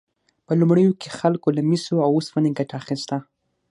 په لومړیو کې خلکو له مسو او اوسپنې ګټه اخیسته.